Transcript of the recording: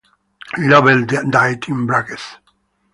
Lovel died in Bruges.